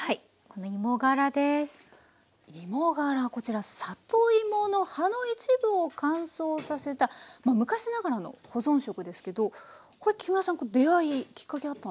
このこちら里芋の葉の一部を乾燥させた昔ながらの保存食ですけどこれ木村さん出会いきっかけあったんですか？